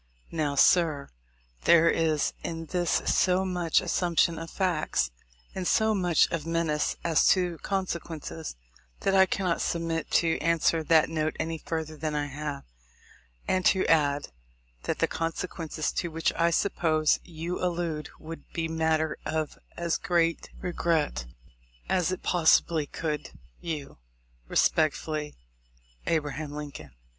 Now, sir, there is in this so much assumption of facts, and so much of menace as to consequences, that I cannot submit to answer that note any further than 1 have, and to add, that the consequences to which I suppose you allude would be matter of as great regret to me as it pos sibly could to you. Respecefully, A. Lincoln.